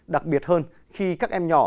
đặc biệt hơn khi các em nhỏ